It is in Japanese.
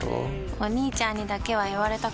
お兄ちゃんにだけは言われたくないし。